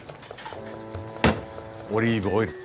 オリーブオイル。